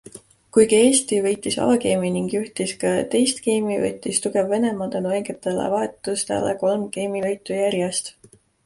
Kuigi Eesti võitis avageimi ning juhtis ka teist geimi, võttis tugev Venemaa tänu õigetele vahetustele kolm geimivõitu järjest.